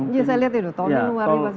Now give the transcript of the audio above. iya saya lihat ya tol ini luar biasa